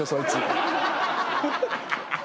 ハハハハ！